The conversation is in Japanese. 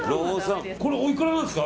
これおいくらなんですか？